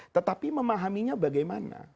tetapi memahaminya bagaimana